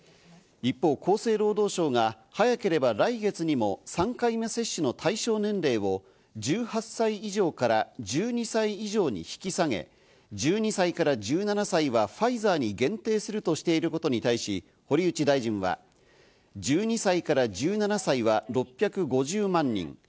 一方、厚生労働省が早ければ来月にも３回目接種の対象年齢を１８歳以上から１２歳以上に引き下げ、１２歳から１７歳はファイザーに限定するとしていることに対し、堀内大臣は１２歳から１７歳は６５０万人。